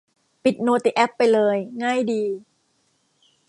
ปิดโนติแอปไปเลย ง่ายดี